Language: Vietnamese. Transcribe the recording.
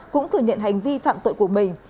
cũng thừa nhận hành vi phạm tội của mình